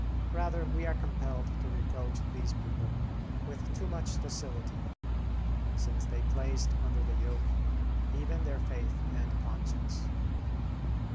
Rather we are compelled to reproach these people with too much docility, since they placed under the yoke even their faith and conscience.